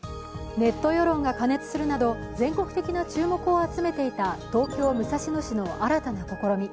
ネット世論が過熱するなど、全国的な注目を集めていた東京・武蔵野市の新たな試み。